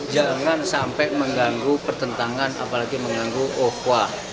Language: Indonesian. jangan sampai mengganggu pertentangan apalagi mengganggu okwah